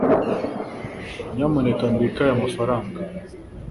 Nyamuneka mbike aya mafaranga.